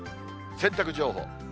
洗濯情報。